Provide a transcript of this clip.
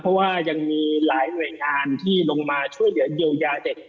เพราะว่ายังมีหลายหน่วยงานที่ลงมาช่วยเหลือเยียวยาเด็ก